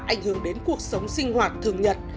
ảnh hưởng đến cuộc sống sinh hoạt thường nhật